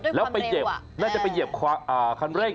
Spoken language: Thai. หน้าไม่ได้เผ็ดสินอิตินีแล้วก็จะเหยียบระยะคันเร่ง